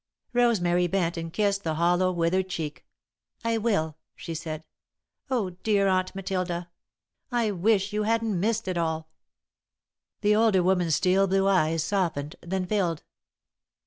Rosemary bent and kissed the hollow, withered cheek. "I will," she said. "Oh, dear Aunt Matilda! I wish you hadn't missed it all!" The older woman's steel blue eyes softened, then filled.